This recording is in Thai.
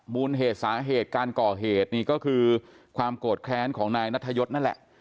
มูลเหตุสาเหตุการก่อเหตุนี่ก็คือความโกรธแค้นของนายนัทยศนั่นแหละ